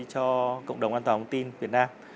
cho cộng đồng an toàn công ty việt nam